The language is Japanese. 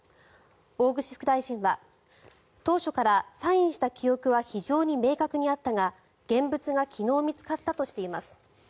大串副大臣は当初からサインした記憶は非常に明確にあったが現物が昨日見つかったとしています。